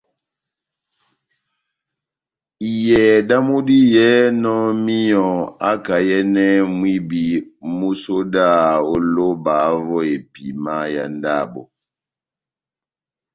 Iyɛhɛ damu diyɛhɛnɔ míyɔ akayɛnɛ mwibi músodaha ó lóba vó epima yá ndabo.